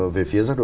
về phía giác đồng